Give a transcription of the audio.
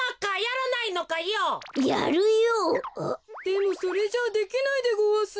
でもそれじゃあできないでごわす。